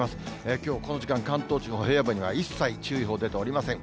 きょう、この時間、関東地方、平野部には一切注意報出ておりません。